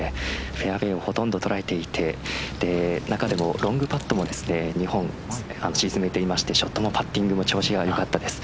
フェアウェイを捉えていて中でもロングパットも２本沈めていましてショットもパッティングも調子はよかったです。